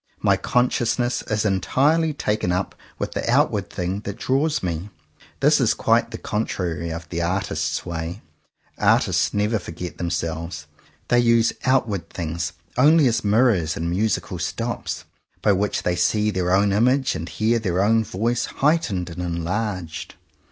My consciousness is entirely taken up with the outward thing that draws me. This is quite the contrary of the artist's way. Artists never forget themselves. They use outward things only as mirrors and musical stops, by which they see their own image and hear their own voice heightened and en larged.